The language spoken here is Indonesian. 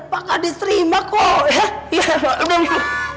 pak kades terima kok